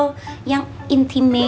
lagian kan kalian pasti pengen ngobrol